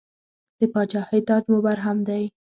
د پاچاهۍ تاج مو برهم دی.